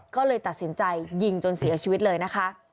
ก็เลยตัดสินใจยิงจนเสียชีวิตเลยนะคะ